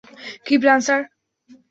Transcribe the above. কি plan, sir?